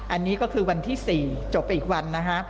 อันนี้ก็คือวันที่๔จบไปอีกวันนะฮะ